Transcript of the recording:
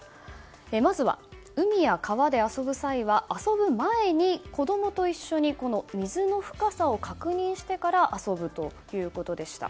まずは海や川で遊ぶ際は遊ぶ前に、子供と一緒に水の深さを確認してから遊ぶということでした。